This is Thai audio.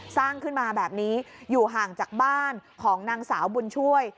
สร้างขึ้นมาแบบนี้อยู่ห่างจากบ้านของนางสาวบุญช่วย